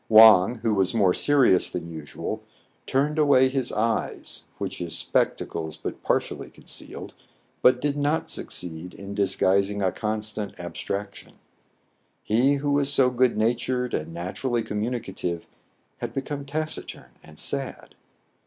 Wang, who was more serious than usual, turned away his eyes, which his spectacles but partially concealed, but did not succeed in disguising a constant abstrac tion. He who was so good natured and naturally communicative had become taciturn and sad.